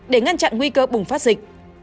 để ngăn chặn nguy cơ bùng phát dịch